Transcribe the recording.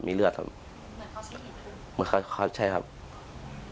มีเลือดครับเหมือนเขาใช้หินทุบเหมือนเขาใช้ครับใช้หินทุบครับ